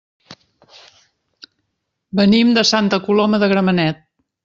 Venim de Santa Coloma de Gramenet.